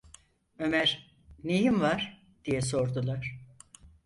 "Ömer, neyin var?" diye sordular.